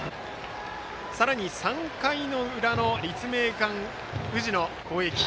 さらに３回の裏の立命館宇治の攻撃。